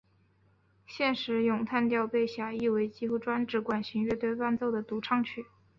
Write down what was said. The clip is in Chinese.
现时咏叹调被狭义为几乎专指管弦乐队伴奏的独唱曲。